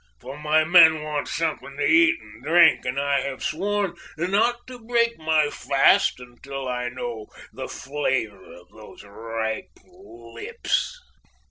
for my men want something to eat and drink, and I have sworn not to break my fast until I know the flavor of those ripe lips."